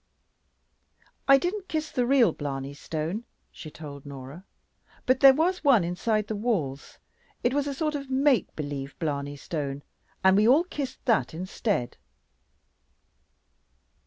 "I didn't kiss the real Blarney Stone," she told Norah. "But there was one inside the walls. It was a sort of make believe Blarney Stone, and we all kissed that instead."